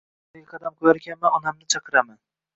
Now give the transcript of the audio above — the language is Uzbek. Ostonaga qadam qo‘yarkanman, Onamni chaqiraman